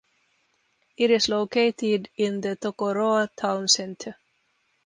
It is located in the Tokoroa town centre.